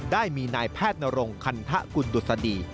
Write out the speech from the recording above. ได้มีนายแพทย์นรงคัณฑะกุฎสดี